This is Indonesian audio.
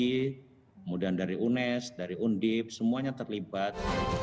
kemudian dari unes dari undip semuanya terlibat